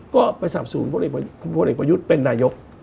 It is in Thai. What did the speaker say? ก็ไปสรรพศูนย์พวกเหล็กประยุทธ์เป็นนายก